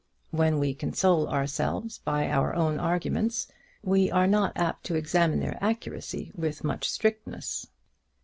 When we console ourselves by our own arguments, we are not apt to examine their accuracy with much strictness.